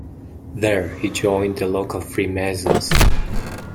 There, he joined the local Freemasons.